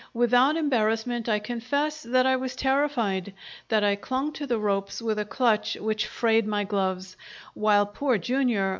Without embarrassment I confess that I was terrified, that I clung to the ropes with a clutch which frayed my gloves, while Poor Jr.